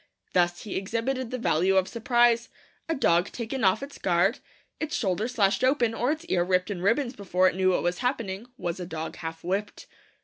Thus he exhibited the value of surprise. A dog taken off its guard, its shoulder slashed open, or its ear ripped in ribbons before it knew what was happening, was a dog half whipped.'